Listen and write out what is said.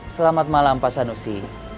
selamat malam pak sanusi